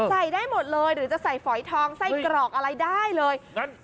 ได้หมดเลยหรือจะใส่ฝอยทองไส้กรอกอะไรได้เลย